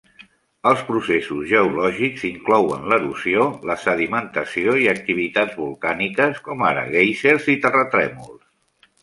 Els processos geològics inclouen l'erosió, la sedimentació i activitats volcàniques, com ara guèisers i terratrèmols.